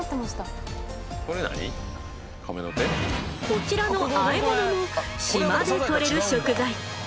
こちらの和え物も島で獲れる食材。